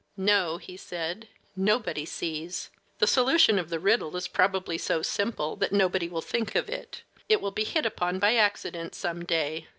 "No," he said; "nobody sees. The solution of the riddle is probably so simple that nobody will think of it. It will be hit upon by accident some day.